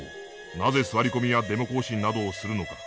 なぜ座り込みやデモ行進などをするのか？